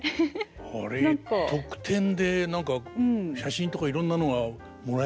あれ特典で何か写真とかいろんなのがもらえるんじゃないですか。